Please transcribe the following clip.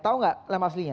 tau gak nama aslinya